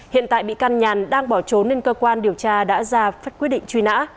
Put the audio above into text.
hiện tại bị can nhàn đang bỏ trốn nên cơ quan điều tra đã ra quyết định truy nã